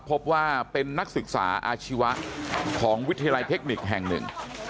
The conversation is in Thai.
พบว่าเป็นนักศึกษาอาชีวะของวิทยาลัยเทคนิคแห่งหนึ่ง